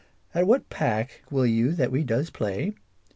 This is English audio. " At what pack will you that we does play